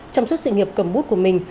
trong suốt sự nghiệp cầm bút của mình